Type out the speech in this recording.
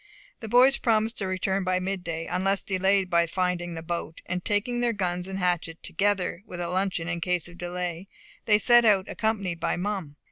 The boys promised to return by midday, unless delayed by finding the boat; and taking their guns and hatchet, together with a luncheon in case of delay, they set out, accompanied by Mum.